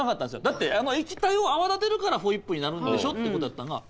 だってあの液体を泡立てるからホイップになるんでしょってことやったんが。